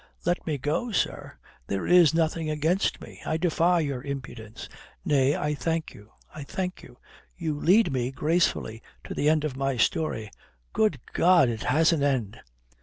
"Let me go, sir? There is nothing against me. I defy your impudence. Nay, I thank you, I thank you. You lead me gracefully to the end of my story." "Good God! It has an end!"